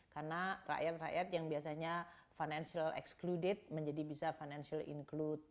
karena rakyat rakyat yang biasanya financial excluded menjadi bisa financial include